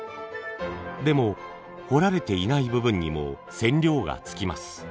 でも彫られていない部分にも染料がつきます。